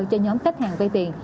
cho nhóm khách hàng vây tiền